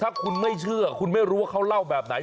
ถ้าคุณไม่เชื่อคุณไม่รู้ว่าเขาเล่าแบบไหน